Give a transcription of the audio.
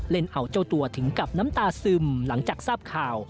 เล่นเอาเจ้าตัวถึงกับน้ำตาซึมหลังจากทราบข่าว